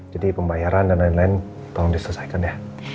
jadi pembayaran dan lain lain tolong diselesaikan ya